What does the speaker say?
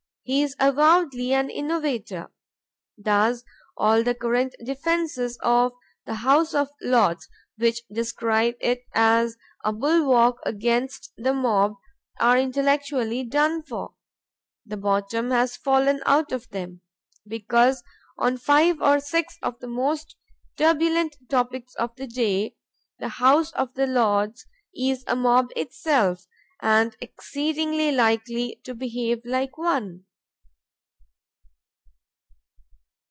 He is avowedly an innovator. Thus all the current defenses of the House of Lords which describe it as a bulwark against the mob, are intellectually done for; the bottom has fallen out of them; because on five or six of the most turbulent topics of the day, the House of Lords is a mob itself; and exceedingly likely to behave like one.